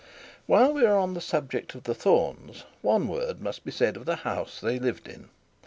While we are on the subject of the Thornes, one word must be said of the house they lived in.